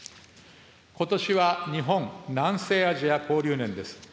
ことしは日本・南西アジア交流年です。